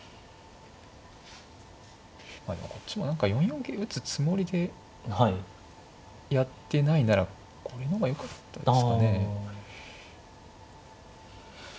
まあでもこっちも何か４四桂打つつもりでやってないならこれの方がよかったですかね。